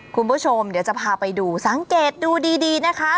คุณผู้ชมเดี๋ยวจะพาไปดูสังเกตดูดีนะคะ